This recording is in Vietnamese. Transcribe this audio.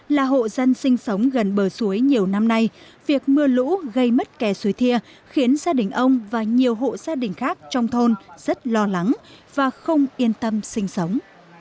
là hộ dân sinh sống gần bờ suối nhiều năm nay việc mưa lũ gây mất kẻ suối thia khiến gia đình ông và nhiều hộ gia đình khác trong thôn rất lo lắng và không yên tâm sinh sống